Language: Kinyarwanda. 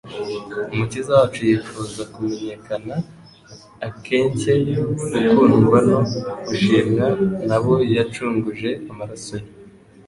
Umukiza wacu yifuza kumenyekana. Akencye gukundwa no gushimwa n'abo yacunguje amaraso ye.